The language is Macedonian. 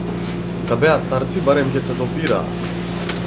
Да беа старци барем ќе се допираа.